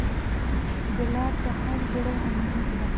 ګلاب د هر زړه امید ده.